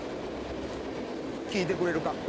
「聞いてくれるか？」。